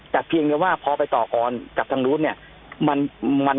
แต่เพียงแต่ว่าพอไปต่อก่อนกับทางรุ้น